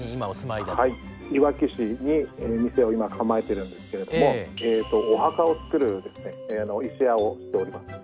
いわき市に店を今構えてるんですけれどもお墓を作る石屋をしております。